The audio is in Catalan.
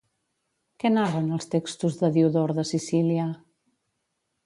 Què narren els textos de Diodor de Sicília?